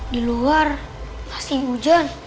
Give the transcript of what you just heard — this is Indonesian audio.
di luar masih hujan